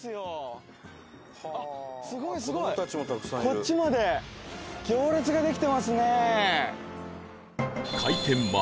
こっちまで行列ができてますね。